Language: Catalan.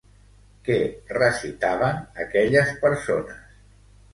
Què recitaven aquelles persones?